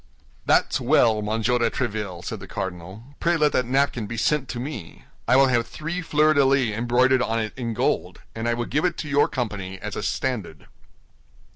"That's well, Monsieur de Tréville," said the cardinal; "pray let that napkin be sent to me. I will have three fleur de lis embroidered on it in gold, and will give it to your company as a standard."